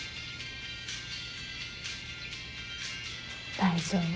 大丈夫。